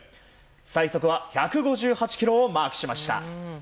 最速は１５８キロをマークしました。